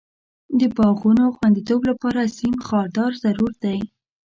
د باغونو خوندیتوب لپاره سیم خاردار ضرور دی.